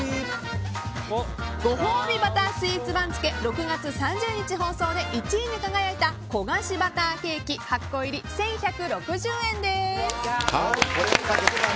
ご褒美バタースイーツ番付６月３０日放送で１位に輝いたこがしバターケーキ８個入り１１６０円です。